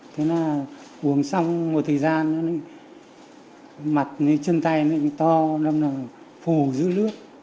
thế là uống xong một thời gian mặt chân tay to phù giữ nước